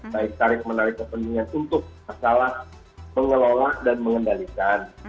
baik tarik menarik kepentingan untuk masalah mengelola dan mengendalikan